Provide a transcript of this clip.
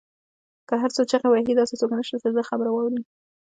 که هر څو چیغې وهي داسې څوک نشته، چې د ده خبره واوري